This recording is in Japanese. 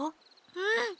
うん！